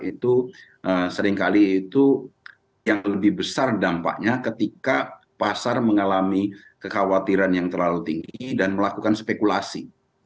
itu seringkali itu yang lebih besar dampaknya ketika pasar mengalami kekhawatiran yang terlalu tinggi dan melakukan spekulasi